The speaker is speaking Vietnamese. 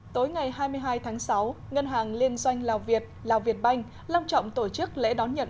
tối ngày hai mươi hai tháng sáu ngân hàng liên doanh lào việt lào việt banh long trọng tổ chức lễ đón nhận